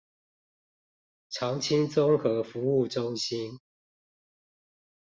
長青綜合服務中心